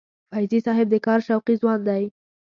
فیضي صاحب د کار شوقي ځوان دی.